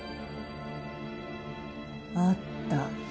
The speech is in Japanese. あった。